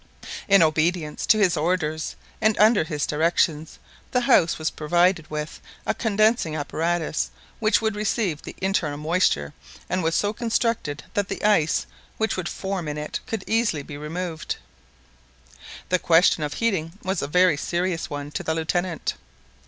In obedience to his orders, and under his directions, the house was provided with a condensing apparatus which would receive the internal moisture, and was so constructed that the ice which would form in it could easily be removed. This question of heating was a very serious one to the Lieutenant.